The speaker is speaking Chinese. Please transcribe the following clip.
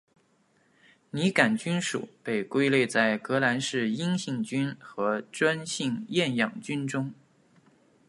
拟杆菌属被归类在革兰氏阴性菌和专性厌氧菌中。